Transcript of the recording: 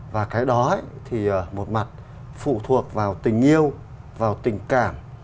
và cái đó thì một mặt phụ thuộc vào tình yêu vào tình cảm